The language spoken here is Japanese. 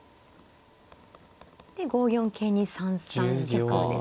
で５四桂に３三玉ですね。